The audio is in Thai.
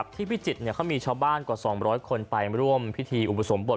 พิจิตรเขามีชาวบ้านกว่า๒๐๐คนไปร่วมพิธีอุปสมบท